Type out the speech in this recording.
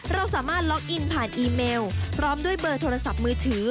เราสามารถล็อกอินผ่านอีเมลพร้อมด้วยเบอร์โทรศัพท์มือถือ